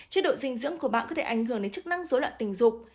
chế độ dinh dưỡng của bạn có thể ảnh hưởng đến chức năng dối loạn tình dục